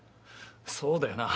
そうだよな。